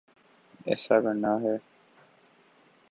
ایسا کرنا ہے۔